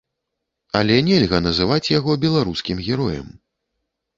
Але нельга называць яго беларускім героем.